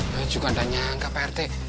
ya juga ada yang nyangka pak rt